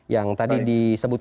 yang tadi dikajikan